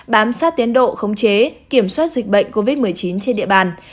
bám sát tiến độ khống chế kiểm soát dịch bệnh covid một mươi chín trên địa bàn